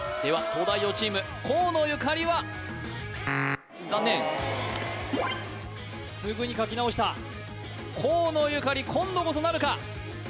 東大王チーム河野ゆかりは残念すぐに書き直した河野ゆかり今度こそなるか？